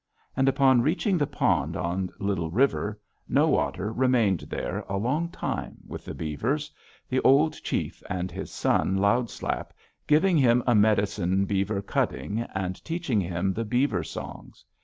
And upon reaching the pond on Little River, No Otter remained there a long time with the beavers, the old chief and his son, Loud Slap, giving him a medicine beaver cutting and teaching him the beaver songs.